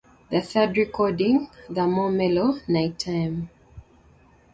The third recording, the more mellow Night Time!